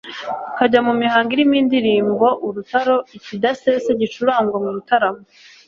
kajya mu mihango irimo indirimbo -Urutaro :Ikidasesa gicurangwa mu bitaramo.